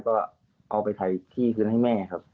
ก็เอาไปถ่ายที่คืนให้แม่ครับ